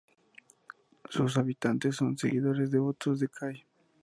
Sus habitantes son seguidores devotos de Kai.